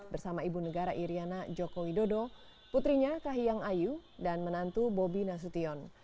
bersama ibu negara iryana joko widodo putrinya kahiyang ayu dan menantu bobi nasution